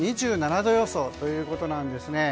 ２７度予想ということなんですね。